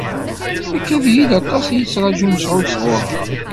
Ikad-iyi aṭas i yettraju Mesεud sɣur-neɣ.